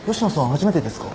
初めてですか？